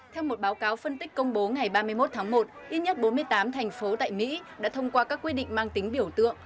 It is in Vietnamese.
theo một báo cáo phân tích công bố ngày ba mươi một tháng một ít nhất bốn mươi tám thành phố tại mỹ đã thông qua các quy định mang tính biểu tượng